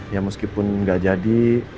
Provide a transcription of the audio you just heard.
ya meskipun gak jadi